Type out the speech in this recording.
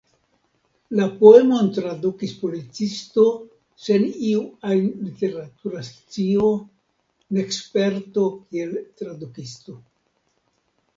La poemon tradukis policisto sen iu ajn literatura scio nek sperto kiel tradukisto.